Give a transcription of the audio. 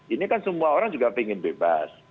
ini kan semua orang juga ingin bebas